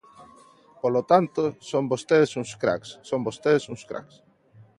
Polo tanto, son vostedes uns cracks, son vostedes uns cracks.